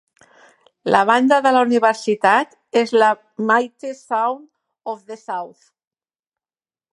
La banda de la universitat és la Mighty Sound of the South.